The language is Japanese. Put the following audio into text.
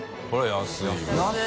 安い。